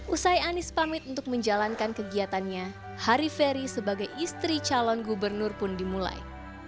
usai anies pamit untuk menjalankan kegiatannya hari ferry sebagai istri calon gubernur pun dimulai